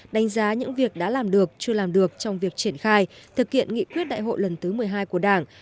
đánh giá những việc đã làm được chưa làm được trong việc triển khai thực hiện nghị quyết đại hội lần thứ một mươi hai của đảng